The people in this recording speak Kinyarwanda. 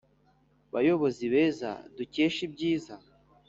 bayobozi beza dukesha ibyiza